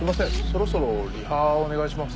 そろそろリハお願いします。